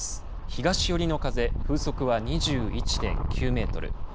東寄りの風風速は２１．９メートル。